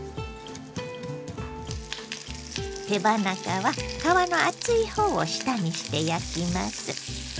手羽中は皮の厚いほうを下にして焼きます。